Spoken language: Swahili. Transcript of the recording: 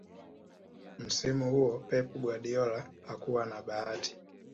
msimu huo pep guardiola hakuwa na bahati